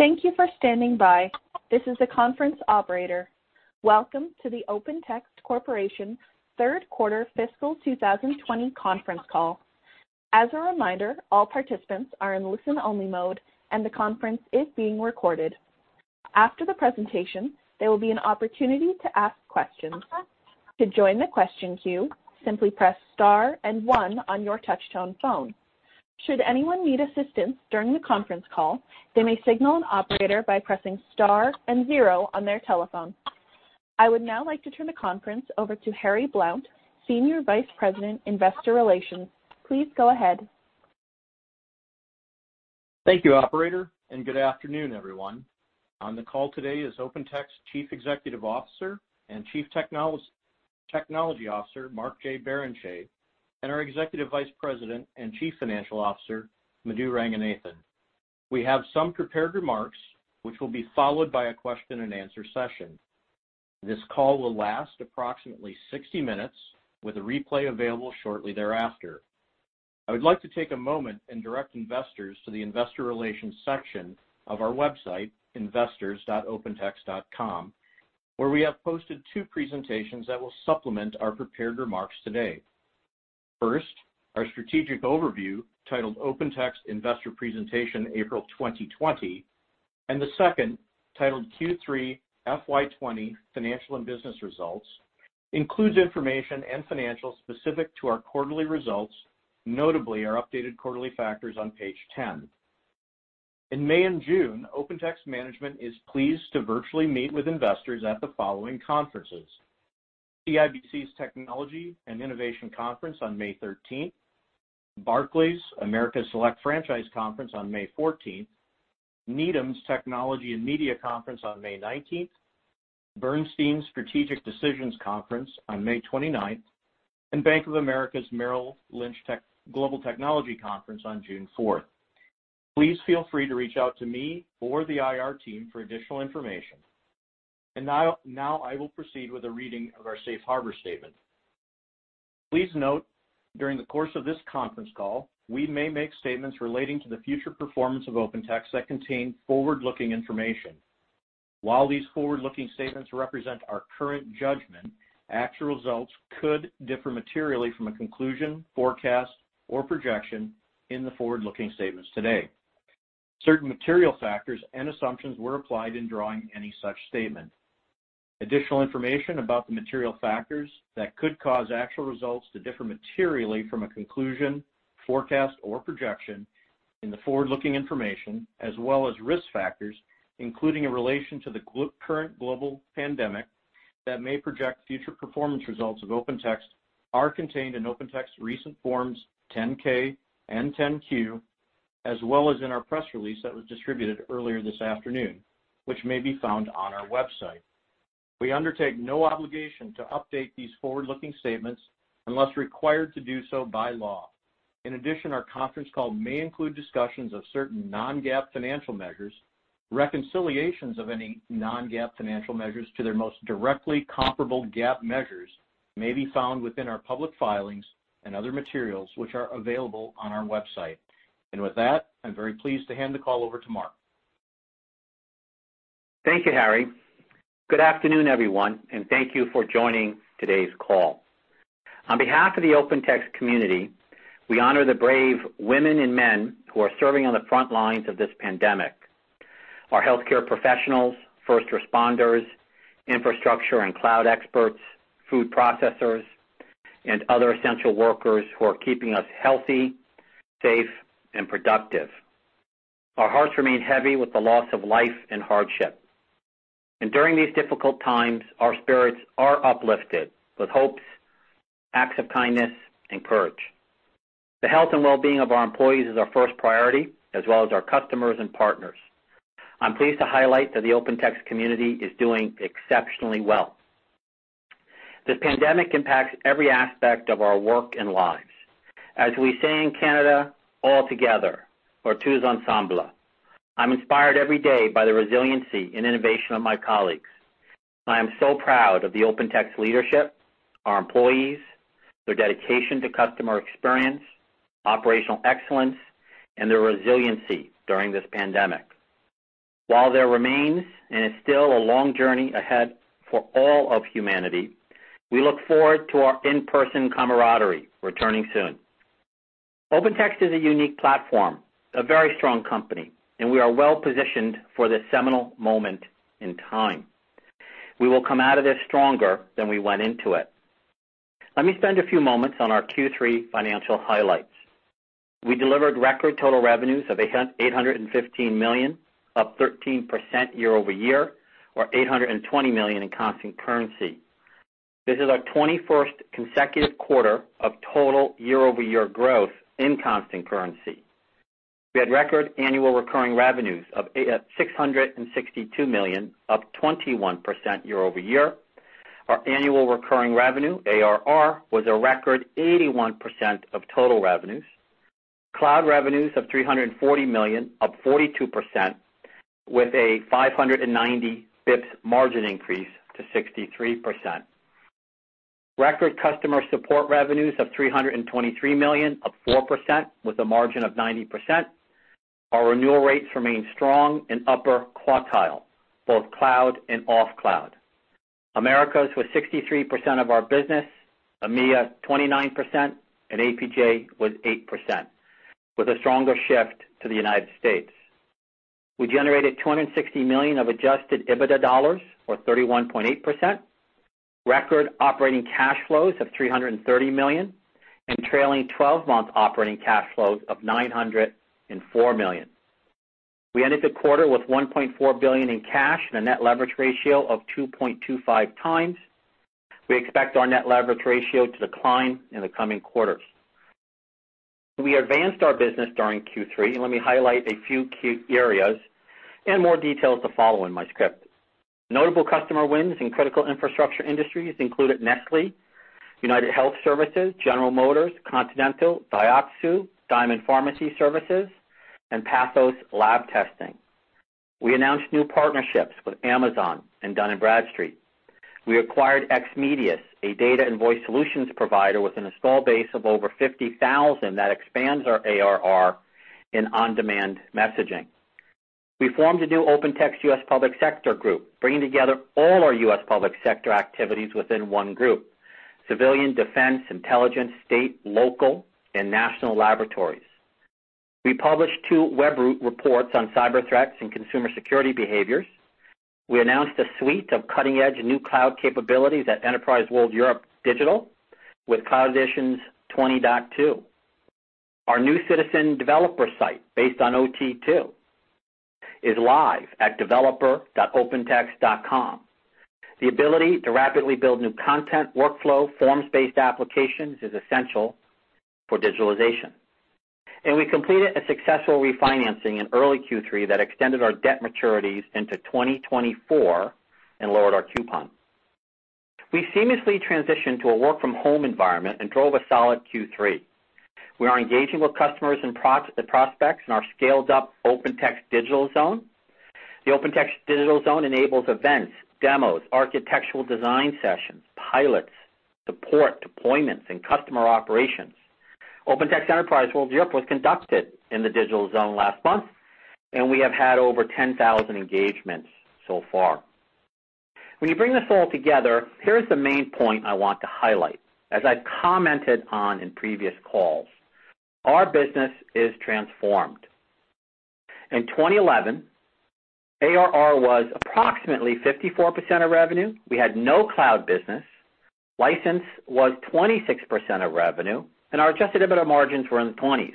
Thank you for standing by. This is the conference operator. Welcome to the Open Text Corporation third quarter fiscal 2020 conference call. As a reminder, all participants are in listen-only mode, and the conference is being recorded. After the presentation, there will be an opportunity to ask questions. To join the question queue, simply press star and one on your touchtone phone. Should anyone need assistance during the conference call, they may signal an operator by pressing star and zero on their telephone. I would now like to turn the conference over to Harry Blount, Senior Vice President, Investor Relations. Please go ahead. Thank you, operator, and good afternoon, everyone. On the call today is OpenText Chief Executive Officer and Chief Technology Officer, Mark J. Barrenechea, and our Executive Vice President and Chief Financial Officer, Madhu Ranganathan. We have some prepared remarks, which will be followed by a question and answer session. This call will last approximately 60 minutes, with a replay available shortly thereafter. I would like to take a moment and direct investors to the investor relations section of our website, investors.opentext.com, where we have posted two presentations that will supplement our prepared remarks today. First, our strategic overview titled OpenText Investor Presentation April 2020, and the second titled Q3 FY 2020 Financial and Business Results, includes information and financials specific to our quarterly results, notably our updated quarterly factors on page 10. In May and June, OpenText management is pleased to virtually meet with investors at the following conferences: CIBC's Technology and Innovation Conference on May 13th, Barclays America Select Franchise Conference on May 14th, Needham's Technology and Media Conference on May 19th, Bernstein's Strategic Decisions Conference on May 29th, and Bank of America's Merrill Lynch Global Technology Conference on June 4th. Please feel free to reach out to me or the IR team for additional information. Now I will proceed with a reading of our safe harbor statement. Please note, during the course of this conference call, we may make statements relating to the future performance of OpenText that contain forward-looking information. While these forward-looking statements represent our current judgment, actual results could differ materially from a conclusion, forecast, or projection in the forward-looking statements today. Certain material factors and assumptions were applied in drawing any such statement. Additional information about the material factors that could cause actual results to differ materially from a conclusion, forecast, or projection in the forward-looking information, as well as risk factors, including in relation to the current global pandemic that may project future performance results of Open Text, are contained in Open Text's recent Forms 10-K and 10-Q, as well as in our press release that was distributed earlier this afternoon, which may be found on our website. We undertake no obligation to update these forward-looking statements unless required to do so by law. In addition, our conference call may include discussions of certain non-GAAP financial measures. Reconciliations of any non-GAAP financial measures to their most directly comparable GAAP measures may be found within our public filings and other materials which are available on our website. With that, I'm very pleased to hand the call over to Mark. Thank you, Harry. Good afternoon, everyone, thank you for joining today's call. On behalf of the OpenText community, we honor the brave women and men who are serving on the front lines of this pandemic, our healthcare professionals, first responders, infrastructure and cloud experts, food processors, and other essential workers who are keeping us healthy, safe, and productive. Our hearts remain heavy with the loss of life and hardship. During these difficult times, our spirits are uplifted with hopes, acts of kindness, and courage. The health and well-being of our employees is our first priority, as well as our customers and partners. I'm pleased to highlight that the OpenText community is doing exceptionally well. This pandemic impacts every aspect of our work and lives. As we say in Canada, all together or tous ensemble. I'm inspired every day by the resiliency and innovation of my colleagues. I am so proud of the Open Text leadership, our employees, their dedication to customer experience, operational excellence, and their resiliency during this pandemic. While there remains and is still a long journey ahead for all of humanity, we look forward to our in-person camaraderie returning soon. Open Text is a unique platform, a very strong company, and we are well positioned for this seminal moment in time. We will come out of this stronger than we went into it. Let me spend a few moments on our Q3 financial highlights. We delivered record total revenues of $815 million, up 13% year-over-year, or $820 million in constant currency. This is our 21st consecutive quarter of total year-over-year growth in constant currency. We had record annual recurring revenues of $662 million, up 21% year-over-year. Our annual recurring revenue, ARR, was a record 81% of total revenues. Cloud revenues of $340 million, up 42%, with a 590 basis point margin increase to 63%. Record customer support revenues of $323 million, up 4%, with a margin of 90%. Our renewal rates remain strong in upper quartile, both cloud and off cloud. Americas was 63% of our business, EMEA 29%, and APJ was 8%, with a stronger shift to the United States. We generated $260 million of adjusted EBITDA dollars, or 31.8%. Record operating cash flows of $330 million, and trailing 12 months operating cash flows of $904 million. We ended the quarter with $1.4 billion in cash and a net leverage ratio of 2.25 times. We expect our net leverage ratio to decline in the coming quarters. We advanced our business during Q3. Let me highlight a few key areas and more details to follow in my script. Notable customer wins in critical infrastructure industries included Nestlé, United Health Services, General Motors, Continental, Dioxus, Diamond Pharmacy Services, and Pathos Labs. We announced new partnerships with Amazon and Dun & Bradstreet. We acquired XMedius, a data and voice solutions provider with an install base of over 50,000 that expands our ARR in on-demand messaging. We formed a new OpenText U.S. Public Sector group, bringing together all our U.S. public sector activities within one group: civilian defense, intelligence, state, local, and national laboratories. We published two Webroot reports on cyber threats and consumer security behaviors. We announced a suite of cutting-edge new cloud capabilities at Enterprise World Europe Digital with Cloud Editions 20.2. Our new citizen developer site, based on OT2, is live at developer.opentext.com. The ability to rapidly build new content workflow forms-based applications is essential for digitalization. We completed a successful refinancing in early Q3 that extended our debt maturities into 2024 and lowered our coupon. We seamlessly transitioned to a work from home environment and drove a solid Q3. We are engaging with customers and prospects in our scaled-up OpenText Digital Zone. The OpenText Digital Zone enables events, demos, architectural design sessions, pilots, support, deployments, and customer operations. OpenText Enterprise World Europe was conducted in the digital zone last month, and we have had over 10,000 engagements so far. When you bring this all together, here's the main point I want to highlight. As I've commented on in previous calls, our business is transformed. In 2011, ARR was approximately 54% of revenue. We had no cloud business. License was 26% of revenue, and our adjusted EBITDA margins were in the 20s.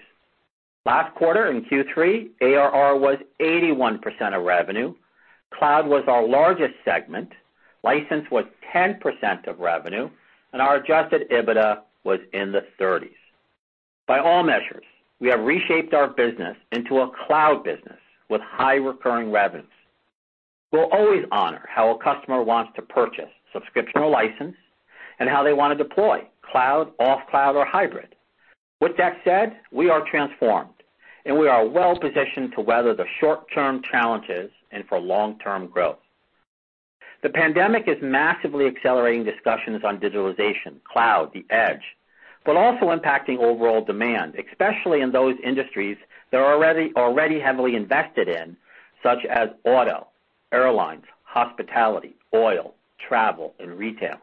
Last quarter in Q3, ARR was 81% of revenue. Cloud was our largest segment. License was 10% of revenue. Our adjusted EBITDA was in the 30s. By all measures, we have reshaped our business into a cloud business with high recurring revenues. We'll always honor how a customer wants to purchase, subscription or license, and how they want to deploy, cloud, off cloud, or hybrid. With that said, we are transformed. We are well positioned to weather the short-term challenges and for long-term growth. The pandemic is massively accelerating discussions on digitalization, cloud, the edge, also impacting overall demand, especially in those industries that are already heavily invested in, such as auto, airlines, hospitality, oil, travel, and retail.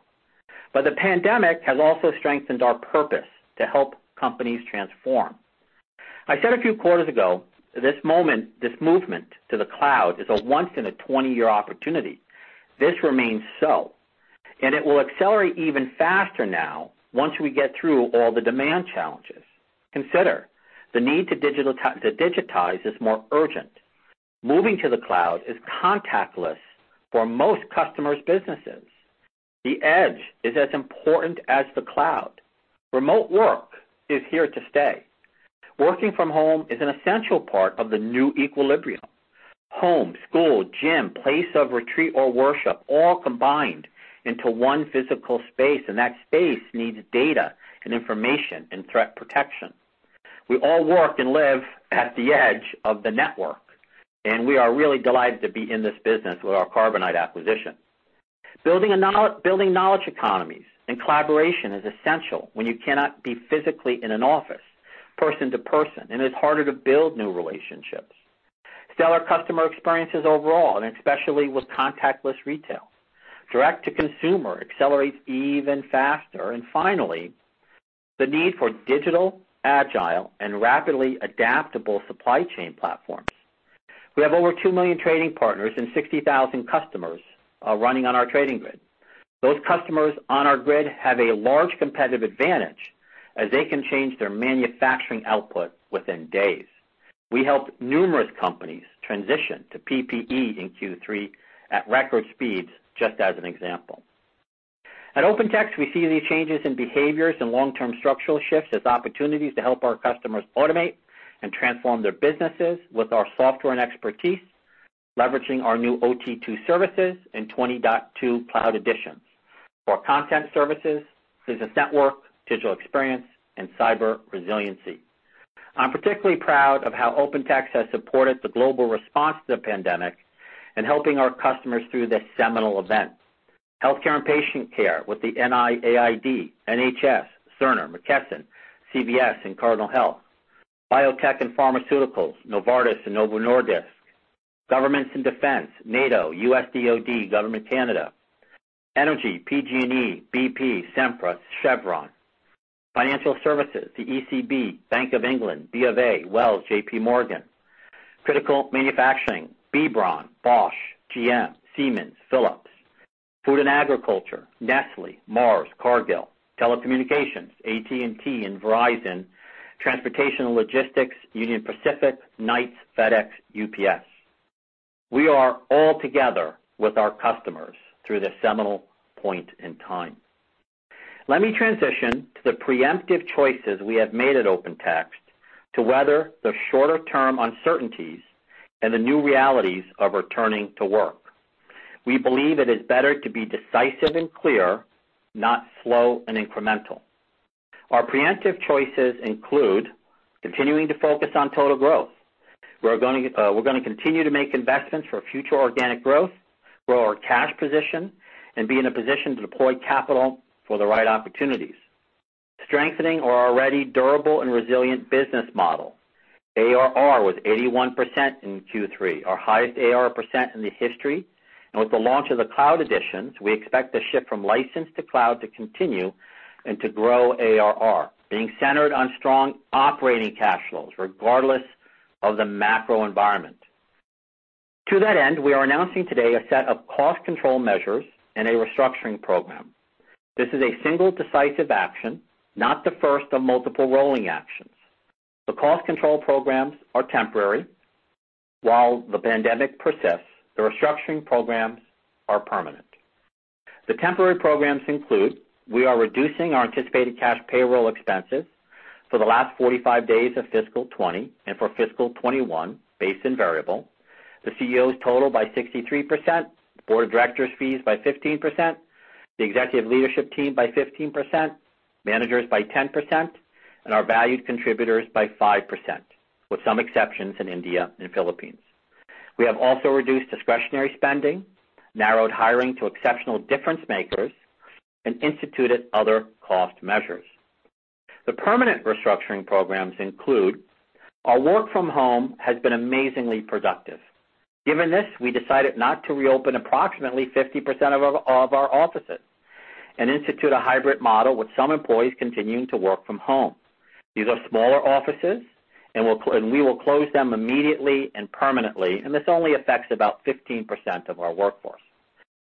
The pandemic has also strengthened our purpose to help companies transform. I said a few quarters ago, this movement to the cloud is a once in a 20-year opportunity. This remains so, and it will accelerate even faster now, once we get through all the demand challenges. Consider the need to digitize is more urgent. Moving to the cloud is contactless for most customers' businesses. The edge is as important as the cloud. Remote work is here to stay. Working from home is an essential part of the new equilibrium. Home, school, gym, place of retreat or worship all combined into one physical space, and that space needs data and information and threat protection. We all work and live at the edge of the network, and we are really delighted to be in this business with our Carbonite acquisition. Building knowledge economies and collaboration is essential when you cannot be physically in an office person to person, and it's harder to build new relationships. Stellar customer experiences overall, and especially with contactless retail. Direct to consumer accelerates even faster. Finally, the need for digital, agile and rapidly adaptable supply chain platforms. We have over 2 million trading partners and 60,000 customers are running on our trading grid. Those customers on our grid have a large competitive advantage as they can change their manufacturing output within days. We helped numerous companies transition to PPE in Q3 at record speeds, just as an example. At OpenText, we see these changes in behaviors and long-term structural shifts as opportunities to help our customers automate and transform their businesses with our software and expertise, leveraging our new OT2 services and 20.2 Cloud Editions for content services, business network, digital experience, and cyber resiliency. I'm particularly proud of how OpenText has supported the global response to the pandemic and helping our customers through this seminal event. Healthcare and patient care with the NIAID, NHS, Cerner, McKesson, CVS, and Cardinal Health. Biotech and pharmaceuticals, Novartis and Novo Nordisk. Governments and defense, NATO, USDOD, Government of Canada. Energy, PG&E, BP, Sempra, Chevron. Financial services, the ECB, Bank of England, B of A, Wells, JP Morgan. Critical manufacturing, B. Braun, Bosch, GM, Siemens, Philips. Food and agriculture, Nestlé, Mars, Cargill. Telecommunications, AT&T and Verizon. Transportation and logistics, Union Pacific, Knight, FedEx, UPS. We are all together with our customers through this seminal point in time. Let me transition to the preemptive choices we have made at OpenText to weather the shorter-term uncertainties and the new realities of returning to work. We believe it is better to be decisive and clear, not slow and incremental. Our preemptive choices include continuing to focus on total growth. We're going to continue to make investments for future organic growth, grow our cash position, and be in a position to deploy capital for the right opportunities. Strengthening our already durable and resilient business model. ARR was 81% in Q3, our highest ARR % in the history. With the launch of the Cloud Editions, we expect the shift from license to cloud to continue and to grow ARR, being centered on strong operating cash flows regardless of the macro environment. To that end, we are announcing today a set of cost control measures and a restructuring program. This is a single decisive action, not the first of multiple rolling actions. The cost control programs are temporary. While the pandemic persists, the restructuring programs are permanent. The temporary programs include we are reducing our anticipated cash payroll expenses for the last 45 days of fiscal 2020 and for fiscal 2021, based and variable. The CEO's total by 63%, the board of directors' fees by 15%, the executive leadership team by 15%, managers by 10%, and our valued contributors by 5%, with some exceptions in India and Philippines. We have also reduced discretionary spending, narrowed hiring to exceptional difference makers, and instituted other cost measures. The permanent restructuring programs include our work from home has been amazingly productive. Given this, we decided not to reopen approximately 50% of all of our offices and institute a hybrid model with some employees continuing to work from home. These are smaller offices, and we will close them immediately and permanently, and this only affects about 15% of our workforce.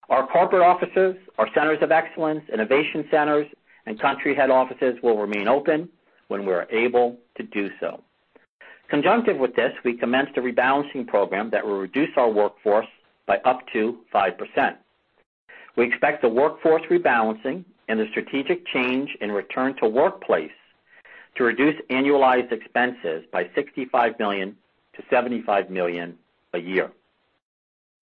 Our corporate offices, our centers of excellence, innovation centers, and country head offices will remain open when we are able to do so. Conjunctive with this, we commenced a rebalancing program that will reduce our workforce by up to 5%. We expect the workforce rebalancing and the strategic change in return to workplace to reduce annualized expenses by $65 million to $75 million a year.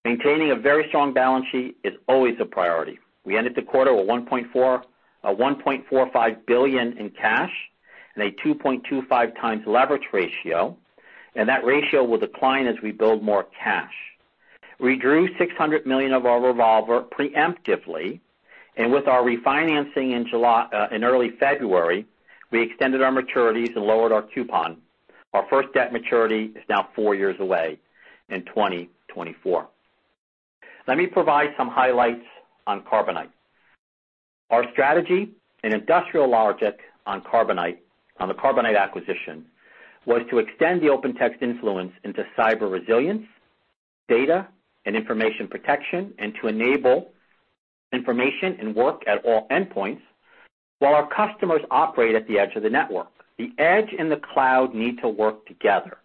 Maintaining a very strong balance sheet is always a priority. We ended the quarter with $1.45 billion in cash and a 2.25 times leverage ratio. That ratio will decline as we build more cash. We drew $600 million of our revolver preemptively. With our refinancing in early February, we extended our maturities and lowered our coupon. Our first debt maturity is now four years away in 2024. Let me provide some highlights on Carbonite. Our strategy and industrial logic on the Carbonite acquisition was to extend the OpenText influence into cyber resilience, data, and information protection, and to enable information and work at all endpoints while our customers operate at the edge of the network. The edge and the cloud need to work together.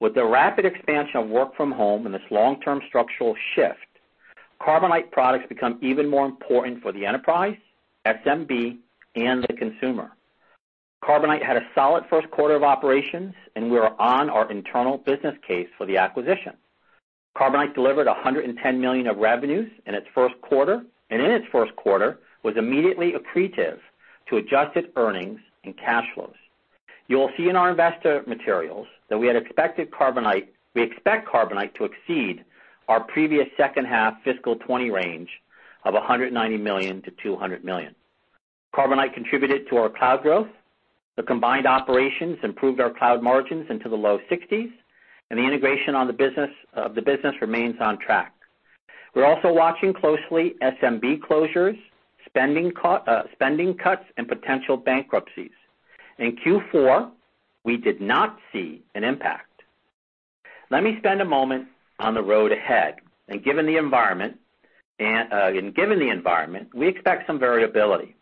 With the rapid expansion of work from home and this long-term structural shift, Carbonite products become even more important for the enterprise, SMB, and the consumer. Carbonite had a solid first quarter of operations, and we are on our internal business case for the acquisition. Carbonite delivered $110 million of revenues in its first quarter, and in its first quarter, was immediately accretive to adjusted earnings and cash flows. You will see in our investor materials that we expect Carbonite to exceed our previous second half fiscal 2020 range of $190 million-$200 million. Carbonite contributed to our cloud growth. The combined operations improved our cloud margins into the low 60s, and the integration of the business remains on track. We are also watching closely SMB closures, spending cuts, and potential bankruptcies. In Q4, we did not see an impact. Let me spend a moment on the road ahead. Given the environment, we expect some variability.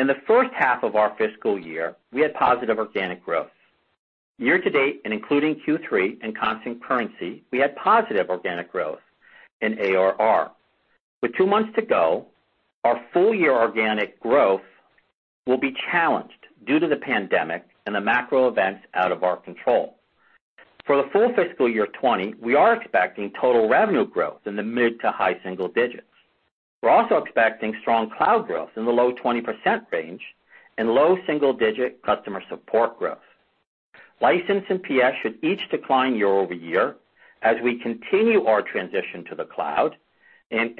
In the first half of our fiscal year, we had positive organic growth. Year to date, and including Q3 and constant currency, we had positive organic growth in ARR. With two months to go, our full-year organic growth will be challenged due to the pandemic and the macro events out of our control. For the full fiscal year 2020, we are expecting total revenue growth in the mid-to-high single digits. We're also expecting strong cloud growth in the low 20% range and low single digit customer support growth. License and PS should each decline year-over-year as we continue our transition to the cloud and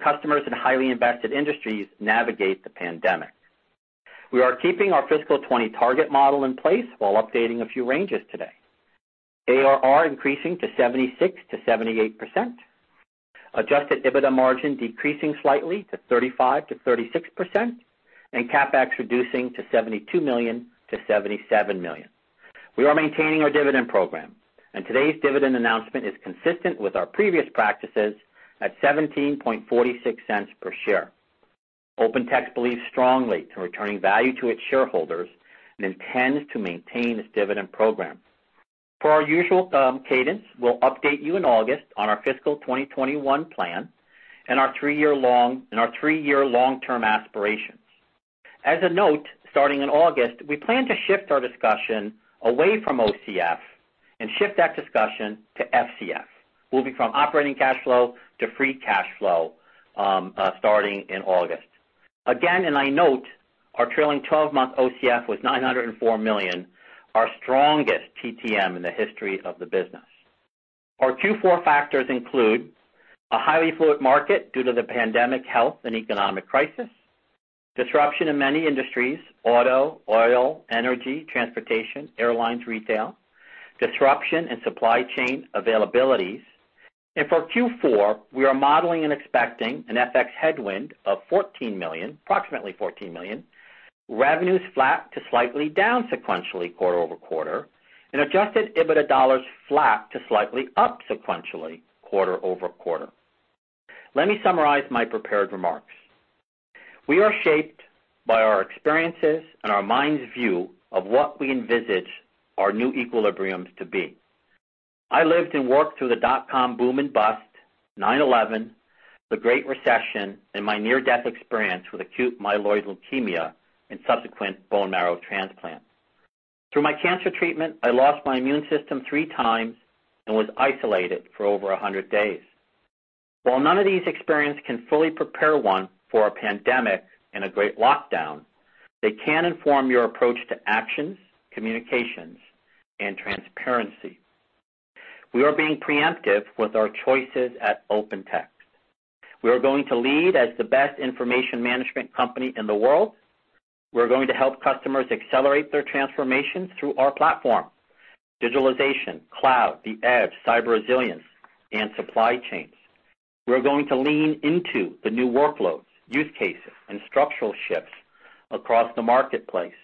customers in highly invested industries navigate the pandemic. We are keeping our fiscal 2020 target model in place while updating a few ranges today. ARR increasing to 76%-78%. Adjusted EBITDA margin decreasing slightly to 35%-36%, and CapEx reducing to $72 million-$77 million. We are maintaining our dividend program, and today's dividend announcement is consistent with our previous practices at $0.1746 per share. OpenText believes strongly to returning value to its shareholders and intends to maintain this dividend program. Per our usual cadence, we'll update you in August on our fiscal 2021 plan and our three-year long-term aspirations. As a note, starting in August, we plan to shift our discussion away from OCF and shift that discussion to FCF, moving from operating cash flow to free cash flow, starting in August. Again, I note, our trailing 12-month OCF was $904 million, our strongest TTM in the history of the business. Our Q4 factors include a highly fluid market due to the pandemic health and economic crisis, disruption in many industries, auto, oil, energy, transportation, airlines, retail, disruption in supply chain availabilities. For Q4, we are modeling and expecting an FX headwind of $14 million, approximately $14 million, revenues flat to slightly down sequentially quarter-over-quarter, and adjusted EBITDA dollars flat to slightly up sequentially quarter-over-quarter. Let me summarize my prepared remarks. We are shaped by our experiences and our mind's view of what we envisage our new equilibriums to be. I lived and worked through the dot-com boom and bust, 9/11, the Great Recession, and my near-death experience with acute myeloid leukemia and subsequent bone marrow transplant. Through my cancer treatment, I lost my immune system three times and was isolated for over 100 days. While none of these experiences can fully prepare one for a pandemic and a great lockdown, they can inform your approach to actions, communications, and transparency. We are being preemptive with our choices at OpenText. We are going to lead as the best information management company in the world. We're going to help customers accelerate their transformations through our platform, digitalization, cloud, the edge, cyber resilience, and supply chains. We are going to lean into the new workloads, use cases, and structural shifts across the marketplace.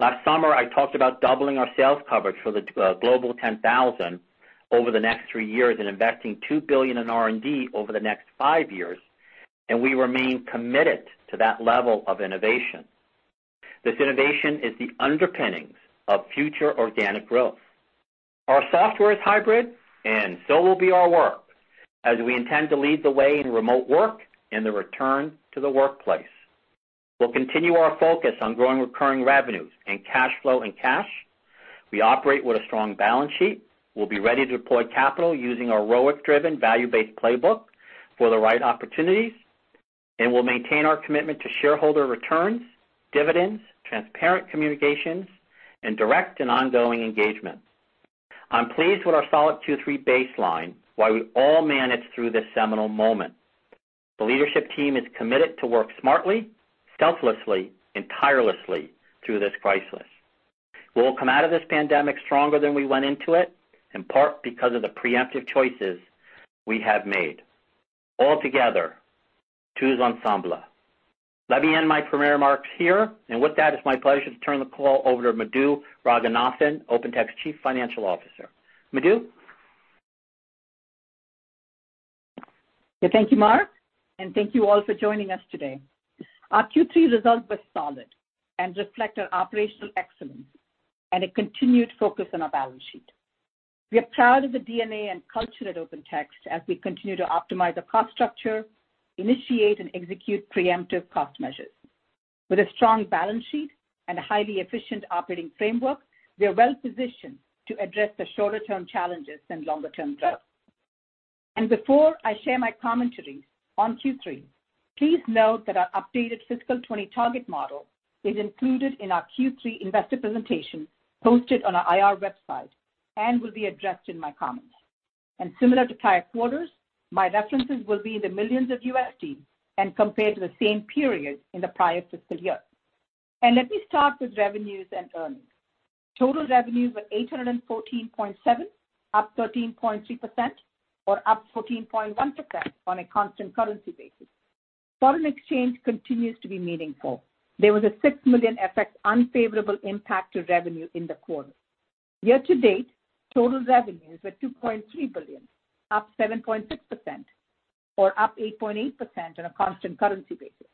Last summer, I talked about doubling our sales coverage for the Global 10,000 over the next three years and investing $2 billion in R&D over the next five years, and we remain committed to that level of innovation. This innovation is the underpinning of future organic growth. Our software is hybrid, and so will be our work, as we intend to lead the way in remote work and the return to the workplace. We'll continue our focus on growing recurring revenues and cash flow and cash. We operate with a strong balance sheet. We'll be ready to deploy capital using our ROIC-driven, value-based playbook for the right opportunities, and we'll maintain our commitment to shareholder returns, dividends, transparent communications, and direct and ongoing engagement. I'm pleased with our solid Q3 baseline, while we all manage through this seminal moment. The leadership team is committed to work smartly, selflessly, and tirelessly through this crisis. We'll come out of this pandemic stronger than we went into it, in part because of the preemptive choices we have made. All together, tous ensemble. Let me end my prepared remarks here, and with that, it's my pleasure to turn the call over to Madhu Ranganathan, OpenText's Chief Financial Officer. Madhu? Thank you, Mark, and thank you all for joining us today. Our Q3 results were solid and reflect our operational excellence and a continued focus on our balance sheet. We are proud of the DNA and culture at OpenText as we continue to optimize the cost structure, initiate and execute preemptive cost measures. With a strong balance sheet and a highly efficient operating framework, we are well-positioned to address the shorter-term challenges and longer-term growth. Before I share my commentary on Q3, please note that our updated fiscal 2020 target model is included in our Q3 investor presentation posted on our IR website and will be addressed in my comments. Similar to prior quarters, my references will be in the millions of USD and compared to the same period in the prior fiscal year. Let me start with revenues and earnings. Total revenues were 814.7, up 13.3%, or up 14.1% on a constant-currency basis. Foreign exchange continues to be meaningful. There was a $6 million effect unfavorable impact to revenue in the quarter. Year-to-date, total revenues were $2.3 billion, up 7.6%, or up 8.8% on a constant-currency basis.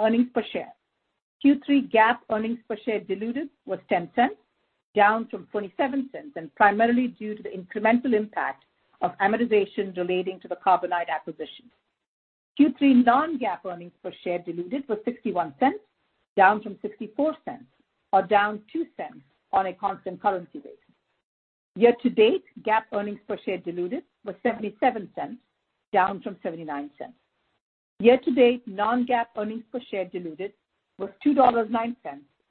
Earnings per share. Q3 GAAP earnings per share diluted was $0.10, down from $0.27, primarily due to the incremental impact of amortization relating to the Carbonite acquisition. Q3 non-GAAP earnings per share diluted was $0.61, down from $0.64, or down $0.02 on a constant-currency basis. Year-to-date, GAAP earnings per share diluted was $0.77, down from $0.79. Year-to-date, non-GAAP earnings per share diluted was $2.09,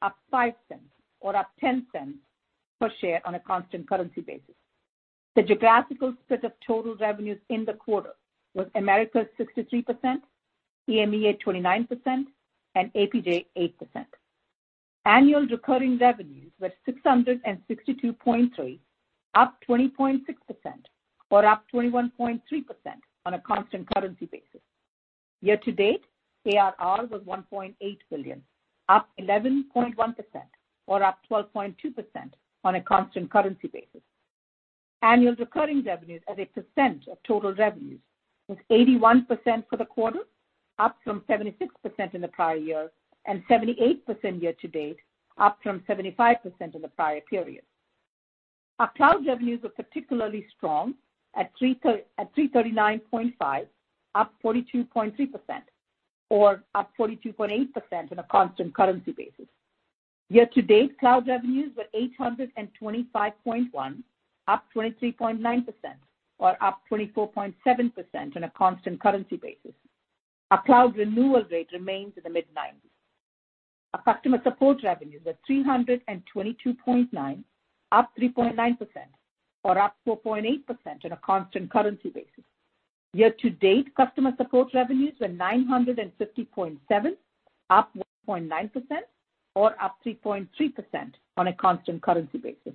up $0.05, or up $0.10 per share on a constant-currency basis. The geographical split of total revenues in the quarter was Americas 63%, EMEA 29%, and APJ 8%. Annual recurring revenues were $662.3, up 20.6%, or up 21.3% on a constant currency basis. Year-to-date, ARR was $1.8 billion, up 11.1%, or up 12.2% on a constant currency basis. Annual recurring revenues as a percent of total revenues was 81% for the quarter, up from 76% in the prior year, and 78% year-to-date, up from 75% in the prior period. Our cloud revenues were particularly strong at $339.5, up 42.3%, or up 42.8% on a constant currency basis. Year-to-date, cloud revenues were $825.1, up 23.9%, or up 24.7% on a constant currency basis. Our cloud renewal rate remains in the mid-90s. Our customer support revenues were $322.9, up 3.9%, or up 4.8% on a constant currency basis. Year to date, customer support revenues were $950.7, up 1.9%, or up 3.3% on a constant currency basis.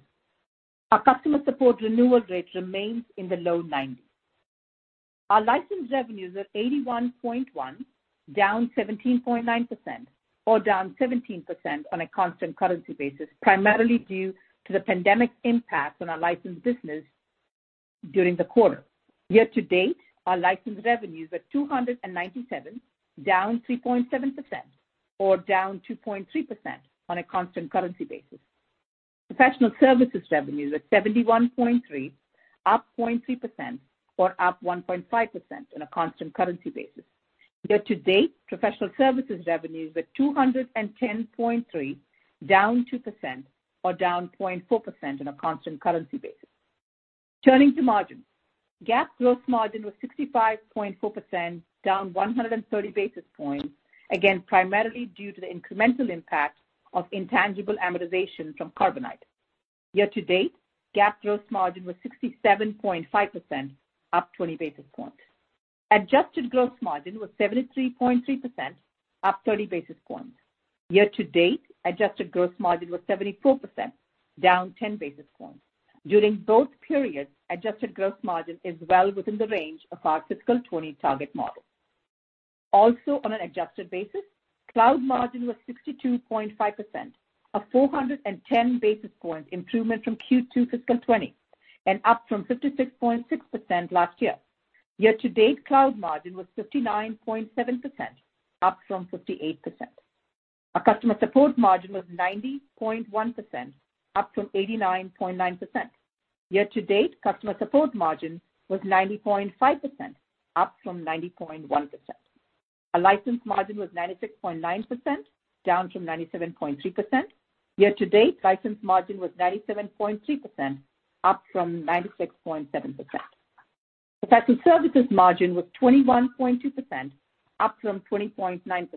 Our customer support renewal rate remains in the low 90s. Our license revenues are $81.1, down 17.9%, or down 17% on a constant currency basis, primarily due to the pandemic impact on our license business during the quarter. Year to date, our license revenues were $297, down 3.7%, or down 2.3% on a constant currency basis. Professional services revenues were $71.3, up 0.3%, or up 1.5% on a constant currency basis. Year to date, professional services revenues were $210.3, down 2%, or down 0.4% on a constant currency basis. Turning to margins. GAAP gross margin was 65.4%, down 130 basis points, again, primarily due to the incremental impact of intangible amortization from Carbonite. Year to date, GAAP gross margin was 67.5%, up 20 basis points. Adjusted gross margin was 73.3%, up 30 basis points. Year to date, adjusted gross margin was 74%, down 10 basis points. During both periods, adjusted gross margin is well within the range of our fiscal 2020 target model. On an adjusted basis, cloud margin was 62.5%, a 410 basis point improvement from Q2 fiscal 2020, and up from 56.6% last year. Year to date, cloud margin was 59.7%, up from 58%. Our customer support margin was 90.1%, up from 89.9%. Year to date, customer support margin was 90.5%, up from 90.1%. Our license margin was 96.9%, down from 97.3%. Year to date, license margin was 97.3%, up from 96.7%. Professional services margin was 21.2%, up from 20.9%.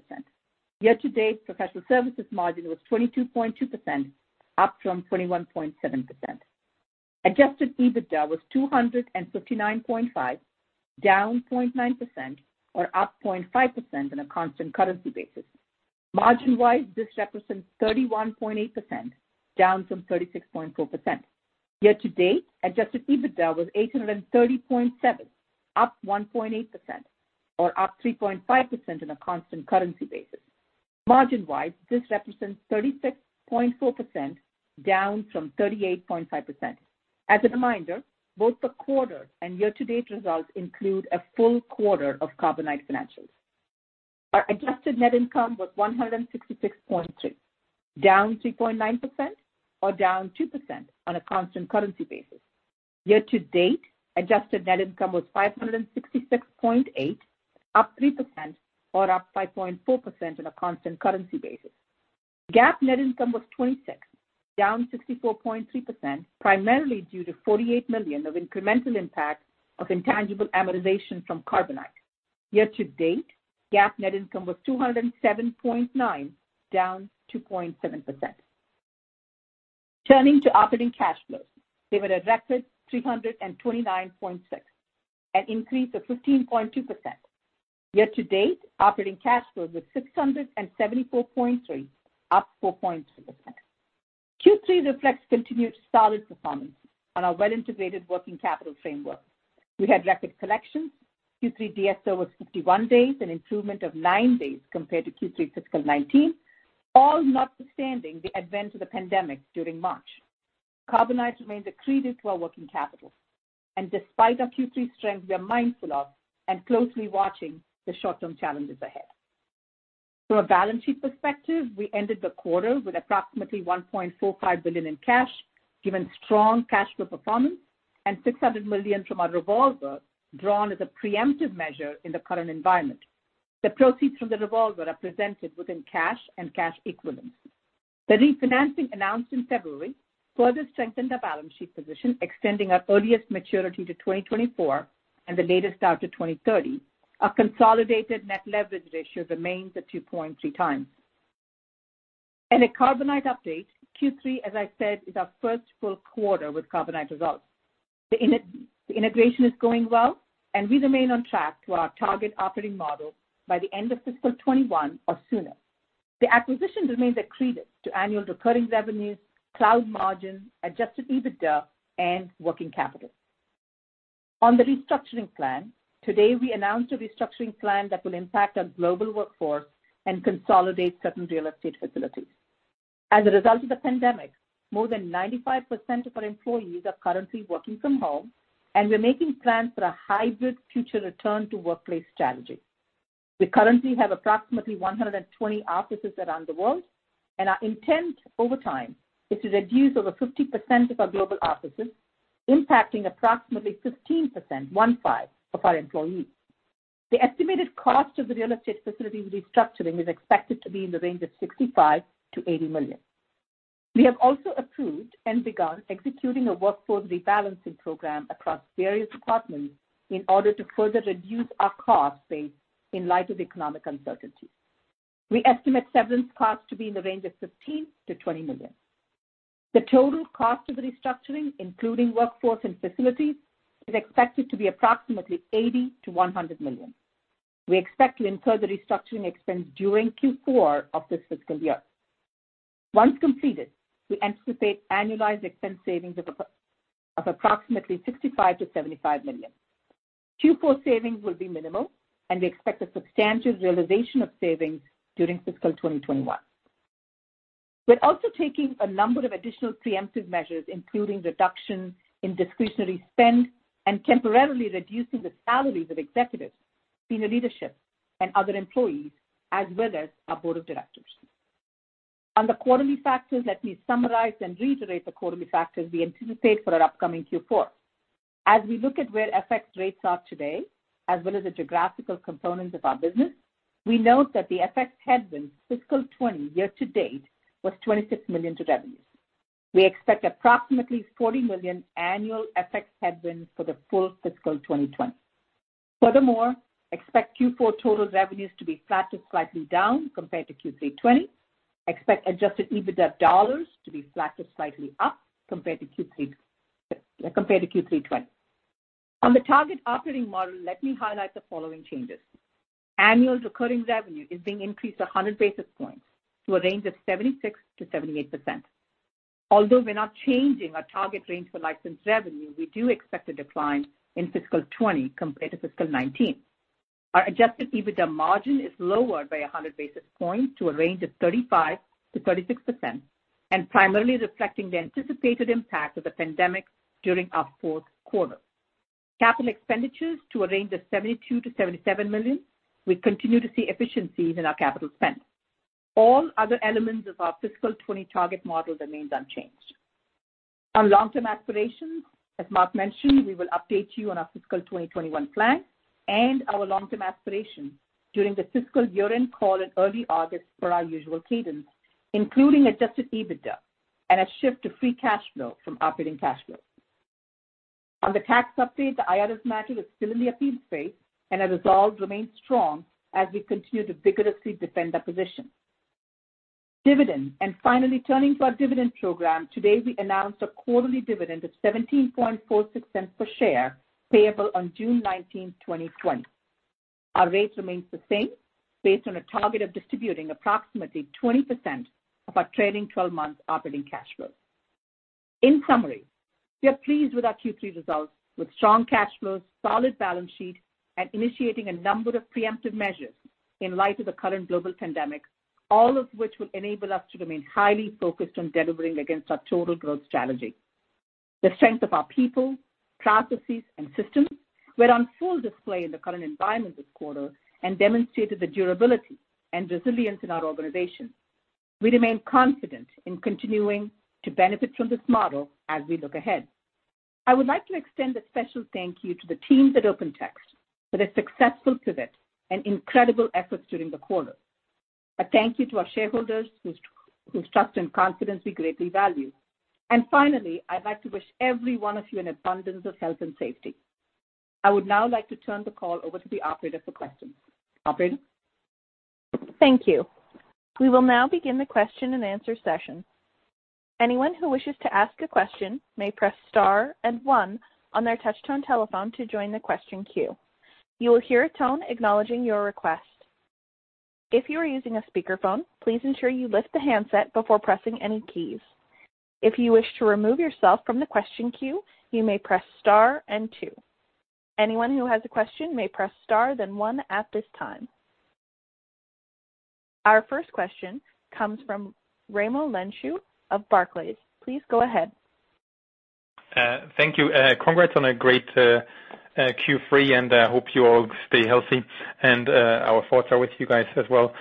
Year to date, professional services margin was 22.2%, up from 21.7%. Adjusted EBITDA was $259.5, down 0.9%, or up 0.5% on a constant currency basis. Margin-wise, this represents 31.8%, down from 36.4%. Year to date, adjusted EBITDA was $830.7, up 1.8%, or up 3.5% on a constant currency basis. Margin-wise, this represents 36.4%, down from 38.5%. As a reminder, both the quarter and year to date results include a full quarter of Carbonite financials. Our adjusted net income was $166.2, down 3.9%, or down 2% on a constant currency basis. Year to date, adjusted net income was $566.8, up 3%, or up 5.4% on a constant currency basis. GAAP net income was $26, down 64.3%, primarily due to $48 million of incremental impact of intangible amortization from Carbonite. Year to date, GAAP net income was $207.9, down 2.7%. Turning to operating cash flows. They were a record $329.6, an increase of 15.2%. Year to date, operating cash flow was $674.3, up 4.6%. Q3 reflects continued solid performance on our well-integrated working capital framework. We had record collections. Q3 DSO was 51 days, an improvement of nine days compared to Q3 fiscal 2019, all notwithstanding the advent of the pandemic during March. Carbonite remains accretive to our working capital. Despite our Q3 strength, we are mindful of and closely watching the short-term challenges ahead. From a balance sheet perspective, we ended the quarter with approximately $1.45 billion in cash, given strong cash flow performance and $600 million from our revolver, drawn as a preemptive measure in the current environment. The proceeds from the revolver are presented within cash and cash equivalents. The refinancing announced in February further strengthened our balance sheet position, extending our earliest maturity to 2024 and the latest out to 2030. Our consolidated net leverage ratio remains at 2.3 times. In a Carbonite update, Q3, as I said, is our first full quarter with Carbonite results. The integration is going well. We remain on track to our target operating model by the end of fiscal 2021 or sooner. The acquisition remains accretive to annual recurring revenues, cloud margins, adjusted EBITDA, and working capital. On the restructuring plan, today, we announced a restructuring plan that will impact our global workforce and consolidate certain real estate facilities. As a result of the pandemic, more than 95% of our employees are currently working from home, and we're making plans for a hybrid future return to workplace strategy. We currently have approximately 120 offices around the world, and our intent over time is to reduce over 50% of our global offices, impacting approximately 15%, one-five, of our employees. The estimated cost of the real estate facilities restructuring is expected to be in the range of $65 million-$80 million. We have also approved and begun executing a workforce rebalancing program across various departments in order to further reduce our cost base in light of economic uncertainty. We estimate severance costs to be in the range of $15 million-$20 million. The total cost of the restructuring, including workforce and facilities, is expected to be approximately $80 million-$100 million. We expect to incur the restructuring expense during Q4 of this fiscal year. Once completed, we anticipate annualized expense savings of approximately $65 million-$75 million. Q4 savings will be minimal, and we expect a substantial realization of savings during fiscal 2021. We're also taking a number of additional preemptive measures, including reduction in discretionary spend and temporarily reducing the salaries of executives, senior leadership, and other employees, as well as our board of directors. On the quarterly factors, let me summarize and reiterate the quarterly factors we anticipate for our upcoming Q4. As we look at where FX rates are today, as well as the geographical components of our business, we note that the FX headwind fiscal 2020 year to date was $26 million to revenues. We expect approximately $40 million annual FX headwinds for the full fiscal 2020. Furthermore, expect Q4 total revenues to be flat to slightly down compared to Q3 2020. Expect adjusted EBITDA dollars to be flat to slightly up compared to Q3 2020. On the target operating model, let me highlight the following changes. Annual recurring revenue is being increased 100 basis points to a range of 76%-78%. Although we're not changing our target range for license revenue, we do expect a decline in fiscal 2020 compared to fiscal 2019. Our adjusted EBITDA margin is lower by 100 basis points to a range of 35%-36% and primarily reflecting the anticipated impact of the pandemic during our fourth quarter. Capital expenditures to a range of $72 million-$77 million. We continue to see efficiencies in our capital spend. All other elements of our fiscal 2020 target model remains unchanged. On long-term aspirations, as Mark mentioned, we will update you on our fiscal 2021 plan and our long-term aspirations during the fiscal year-end call in early August per our usual cadence, including adjusted EBITDA and a shift to FCF from OCF. On the tax update, the IRS matter is still in the appeals phase and our resolve remains strong as we continue to vigorously defend our position. Dividend. Finally turning to our dividend program, today, we announced a quarterly dividend of $0.1746 per share, payable on June 19th, 2020. Our rate remains the same based on a target of distributing approximately 20% of our trailing 12 months operating cash flow. In summary, we are pleased with our Q3 results with strong cash flows, solid balance sheet, and initiating a number of preemptive measures in light of the current global pandemic, all of which will enable us to remain highly focused on delivering against our total growth strategy. The strength of our people, processes, and systems were on full display in the current environment this quarter and demonstrated the durability and resilience in our organization. We remain confident in continuing to benefit from this model as we look ahead. I would like to extend a special thank you to the teams at OpenText for their successful pivot and incredible efforts during the quarter. A thank you to our shareholders whose trust and confidence we greatly value. Finally, I'd like to wish every one of you an abundance of health and safety. I would now like to turn the call over to the operator for questions. Operator? Thank you. We will now begin the question and answer session. Anyone who wishes to ask a question may press star and one on their touch-tone telephone to join the question queue. You will hear a tone acknowledging your request. If you are using a speakerphone, please ensure you lift the handset before pressing any keys. If you wish to remove yourself from the question queue, you may press star and two. Anyone who has a question may press star, then one at this time. Our first question comes from Raimo Lenschow of Barclays. Please go ahead. Thank you. Congrats on a great Q3, and I hope you all stay healthy. Our thoughts are with you guys as well.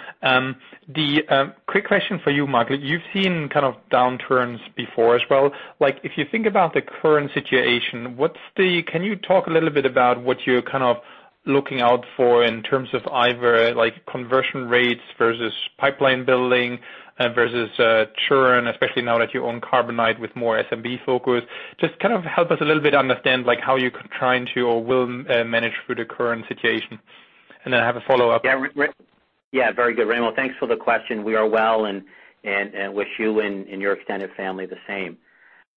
Quick question for you, Mark. You've seen downturns before as well. If you think about the current situation, can you talk a little bit about what you're looking out for in terms of either conversion rates versus pipeline building versus churn, especially now that you own Carbonite with more SMB focus? Just help us a little bit understand how you're trying to or will manage through the current situation. I have a follow-up. Very good, Raymond. Thanks for the question. We are well and wish you and your extended family the same.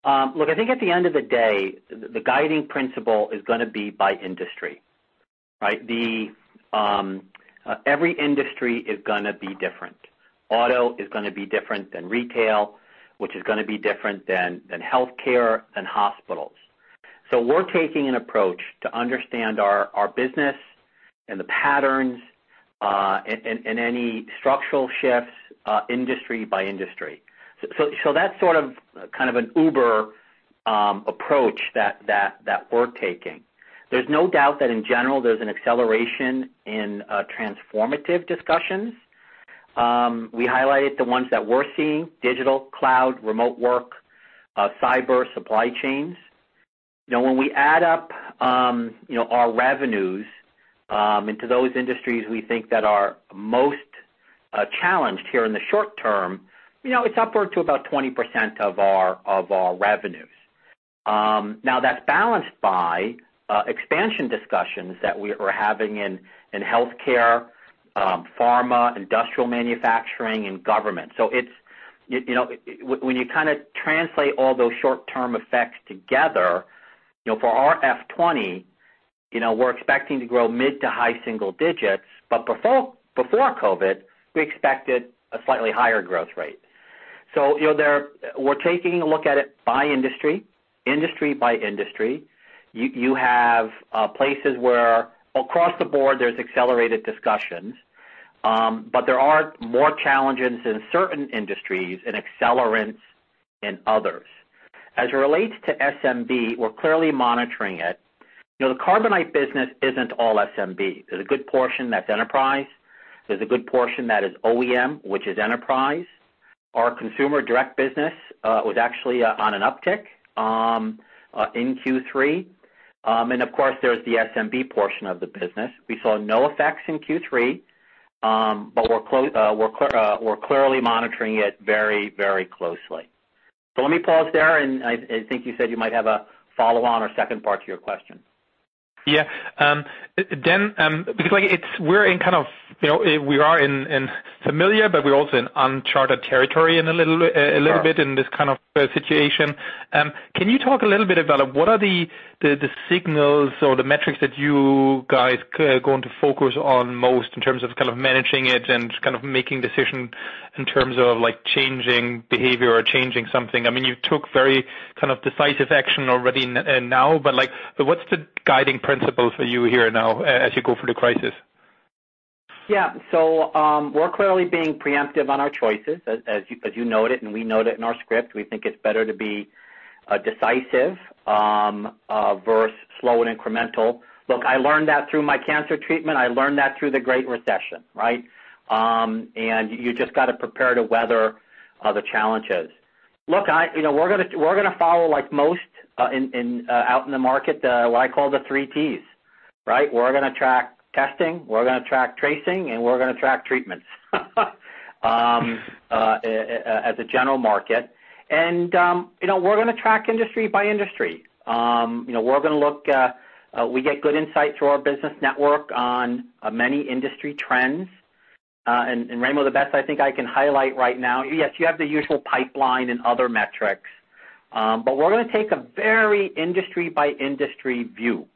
I think at the end of the day, the guiding principle is going to be by industry. Right? Every industry is going to be different. Auto is going to be different than retail, which is going to be different than healthcare and hospitals. We're taking an approach to understand our business and the patterns, and any structural shifts, industry by industry. That's sort of an uber approach that we're taking. There's no doubt that in general, there's an acceleration in transformative discussions. We highlighted the ones that we're seeing, digital, cloud, remote work, cyber, supply chains. When we add up our revenues into those industries we think that are most challenged here in the short term, it's upward to about 20% of our revenues. That's balanced by expansion discussions that we are having in healthcare, pharma, industrial manufacturing, and government. When you translate all those short-term effects together, for our FY 2020, we're expecting to grow mid to high single digits. Before COVID, we expected a slightly higher growth rate. We're taking a look at it by industry by industry. You have places where across the board, there's accelerated discussions. There are more challenges in certain industries and accelerants in others. As it relates to SMB, we're clearly monitoring it. The Carbonite business isn't all SMB. There's a good portion that's enterprise. There's a good portion that is OEM, which is enterprise. Our consumer direct business was actually on an uptick in Q3. Of course, there's the SMB portion of the business. We saw no effects in Q3, but we're clearly monitoring it very closely. Let me pause there, and I think you said you might have a follow-on or second part to your question. Yeah. because we are in familiar, but we're also in uncharted territory in a little bit. Sure In this kind of situation, can you talk a little bit about what are the signals or the metrics that you guys are going to focus on most in terms of managing it and making decision in terms of changing behavior or changing something? You took very decisive action already now, but what's the guiding principle for you here now as you go through the crisis? Yeah. We're clearly being preemptive on our choices, as you noted, and we noted in our script. We think it's better to be decisive versus slow and incremental. Look, I learned that through my cancer treatment. I learned that through the Great Recession, right? You just got to prepare to weather the challenges. Look, we're going to follow like most out in the market, what I call the three Ts. Right? We're going to track testing, we're going to track tracing, and we're going to track treatments as a general market. We're going to track industry by industry. We get good insight through our business network on many industry trends. Raymond, the best I think I can highlight right now, yes, you have the usual pipeline and other metrics. We're going to take a very industry-by-industry view.